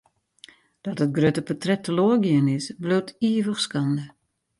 Dat it grutte portret teloar gien is, bliuwt ivich skande.